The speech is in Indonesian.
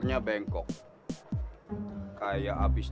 ini sepak bornya beset